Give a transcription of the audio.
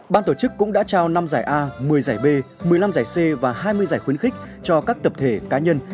ban tổ chức cũng đã trao năm giải a một mươi giải b một mươi năm giải c và hai mươi giải khuyến khích cho các tập thể cá nhân